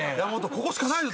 ここしかないぞ。